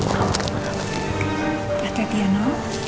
sampai jumpa tiano